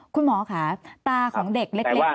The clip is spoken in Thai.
คุณหมอค่ะตาของเด็กเล็ก